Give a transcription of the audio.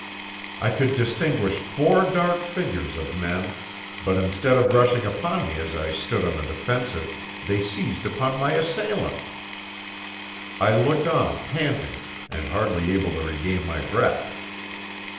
I could distinguish four dark figures of men; but, instead of rushing upon me as I stood on the defensive, they seized upon my assailant. I looked on panting, and hardly able to regain my breath.